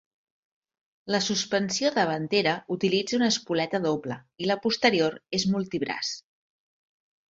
La suspensió davantera utilitza una espoleta doble i la posterior és multibraç.